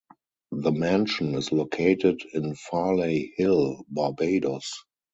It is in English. The mansion is located in Farley Hill, Barbados.